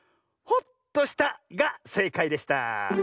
「ホッとした」がせいかいでした。